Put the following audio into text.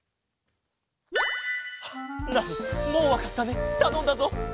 もうわかったねたのんだぞ。